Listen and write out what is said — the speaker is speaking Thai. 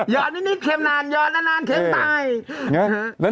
ยอดนิดเคควินทร์นานชี้เคมตาย